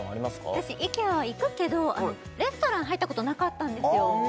私イケアは行くけどレストラン入ったことなかったんですよ